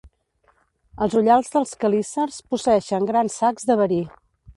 Els ullals dels quelícers posseeixen grans sacs de verí.